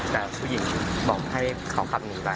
แต่ผู้หญิงบอกให้เขาขับหนีไป